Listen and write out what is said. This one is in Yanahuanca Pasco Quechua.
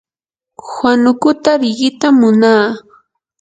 huanukuta riqitam munaa.